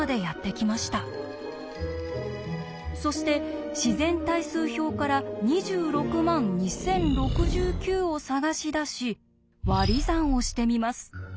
そして自然対数表から２６万２０６９を探し出し割り算をしてみます。